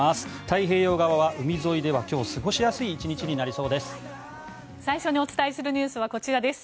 太平洋側は海沿いでは今日、過ごしやすい１日になりそうです。